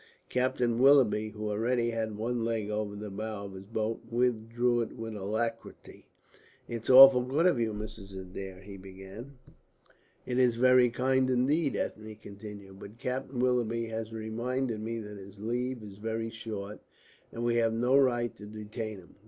Captain Willoughby, who already had one leg over the bows of his boat, withdrew it with alacrity. "It's awfully good of you, Mrs. Adair," he began. "It is very kind indeed," Ethne continued, "but Captain Willoughby has reminded me that his leave is very short, and we have no right to detain him.